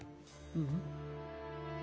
うん？